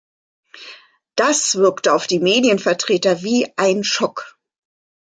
Das wirkte auf die Medienvertreter wie ein Schock.